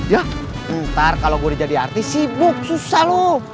yah ntar kalau gue jadi artis sibuk susah lu